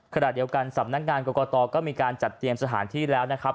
ขณะเดียวกันสำนักงานกรกตก็มีการจัดเตรียมสถานที่แล้วนะครับ